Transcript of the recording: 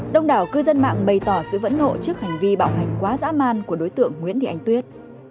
đông đảo cư dân mạng bày tỏ sự phẫn nộ trước hành vi bạo hành quá dã man của đối tượng nguyễn thị anh tuyết